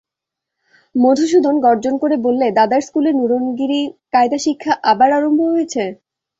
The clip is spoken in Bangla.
মধুসূদন গর্জন করে বললে, দাদার স্কুলে নুরনগরি কায়দা শিক্ষা আবার আরম্ভ হয়েছে?